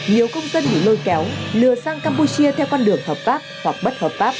nhiều công dân bị lôi kéo lừa sang campuchia theo con đường hợp pháp hoặc bất hợp pháp